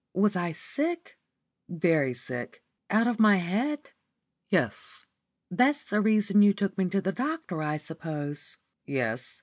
Was I sick?" "Very sick." "Out of my head?" "Yes." "That's the reason you took me to the doctor, I suppose?" "Yes."